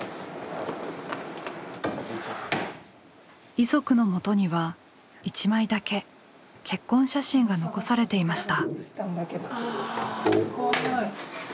遺族のもとには１枚だけ結婚写真が残されていました。